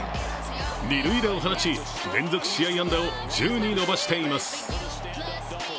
二塁打を放ち、連続試合安打を１０に伸ばしています。